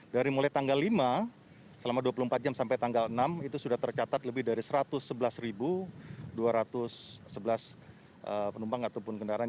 dari mulai tanggal lima selama dua puluh empat jam sampai tanggal enam itu sudah tercatat lebih dari satu ratus sebelas dua ratus sebelas penumpang ataupun kendaraan